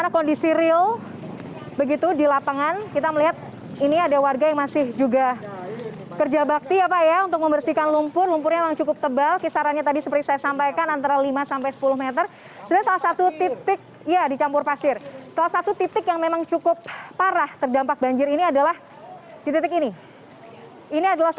pondok gede permai jatiasi pada minggu pagi